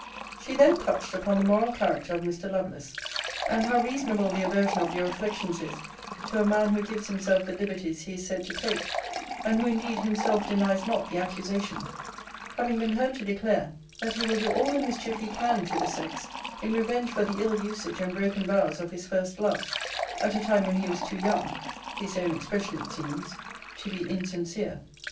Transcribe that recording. She then touched upon the moral character of Mr. Lovelace; and how reasonable the aversion of your reflections is to a man who gives himself the liberties he is said to take; and who indeed himself denies not the accusation; having been heard to declare, that he will do all the mischief he can to the sex, in revenge for the ill usage and broken vows of his first love, at a time when he was too young [his own expression it seems] to be insincere.